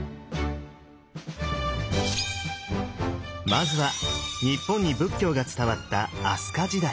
まずは日本に仏教が伝わった飛鳥時代。